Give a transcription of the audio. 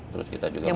terus kita juga mau